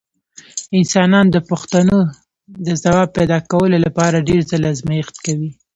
انسانان د پوښتنو د ځواب پیدا کولو لپاره ډېر ځله ازمېښت کوي.